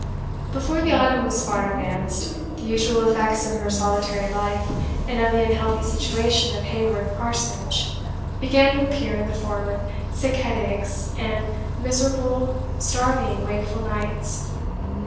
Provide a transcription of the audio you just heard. Before the autumn was far advanced, the usual effects of her solitary life, and of the unhealthy situation of Haworth Parsonage, began to appear in the form of sick headaches, and miserable, starting, wakeful nights.